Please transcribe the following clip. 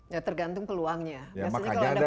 ya tergantung peluangnya